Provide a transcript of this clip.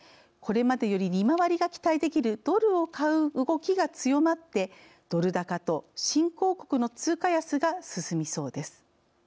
これまでより利回りが期待できるドルを買う動きが強まってドル高と新興国の通貨安が進みそうです。